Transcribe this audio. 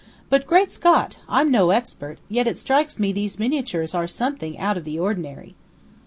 "But, great Scott! I'm no expert, yet it strikes me these miniatures are something out of the ordinary!"